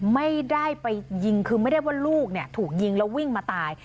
ไม่ได้ไปยิงคือไม่ได้ว่าลูกถูกยิงแล้ววิ่งมาตาย